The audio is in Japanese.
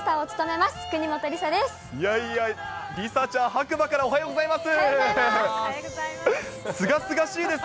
いやいや、梨紗ちゃん、白馬からおはようございます。